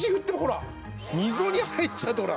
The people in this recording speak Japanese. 溝に入っちゃうとほら。